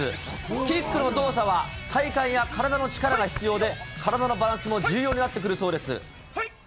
キックの動作は体幹や体の力が必要で、体のバランスも重要になってくるそうです。